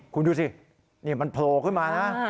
คุณดูสินี่มันโผล่ขึ้นมานะ